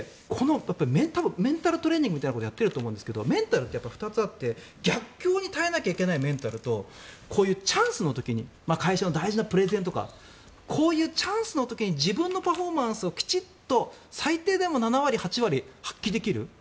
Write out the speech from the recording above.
メンタルトレーニングみたいなことをやってると思うんですがメンタルって２つあって逆境に耐えなきゃいけないメンタルとこういうチャンスの時に会社の大事なプレゼンとかこういうチャンスの時に自分のパフォーマンスをきちんと、最低でも７割、８割発揮できる。